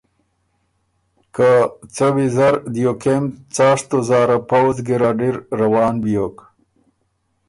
که څۀ ویزر دیو کېم څاشتُو زاره پؤُځ ګیرډ اِر روان بیوک